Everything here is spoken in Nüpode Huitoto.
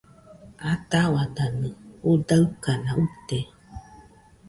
Ataua danɨ judaɨkana uite